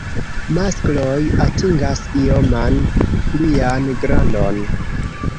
Maskloj atingas ioman plian grandon.